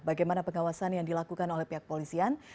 bagaimana pengawasan yang dilakukan oleh pihak polisian